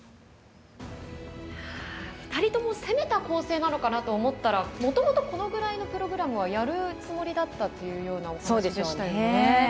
２人とも攻めた構成なのかなと思ったらもともと、このぐらいのプログラムはやるつもりだったというようなお話でしたよね。